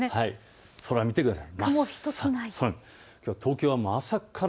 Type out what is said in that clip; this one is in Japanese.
空を見てください。